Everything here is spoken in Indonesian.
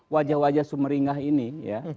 wajah wajah sumeringah ini ya